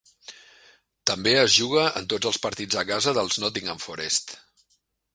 També es juga en tots els partits a casa dels Nottingham Forest.